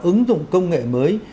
ứng dụng công nghệ mới